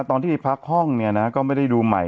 ตอนที่ไปพักห้องเนี่ยนะก็ไม่ได้ดูใหม่